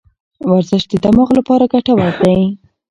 ورزش د دماغ لپاره ګټور دی.